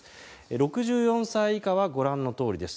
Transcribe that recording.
６４歳以下はご覧のとおりです。